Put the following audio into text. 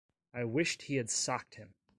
I wished he had socked him.